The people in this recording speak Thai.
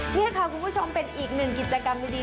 นี่ค่ะคุณผู้ชมเป็นอีกหนึ่งกิจกรรมดี